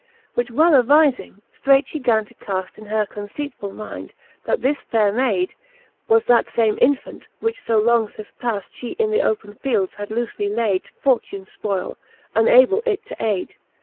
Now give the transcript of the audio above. XVI. Which well avizing, ftreight fhe gan to cafl In her conceipfull mynd, that this faire Mayd Was that fame Infant, which fo long fith paft She in the open fields had loofely layd To fortunes fpoile, unable it to ayd.